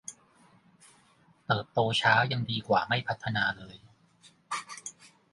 เติบโตช้ายังดีกว่าไม่พัฒนาเลย